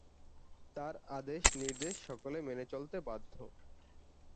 তার আদেশ নির্দেশ সকলে মেনে চলতে বাধ্য।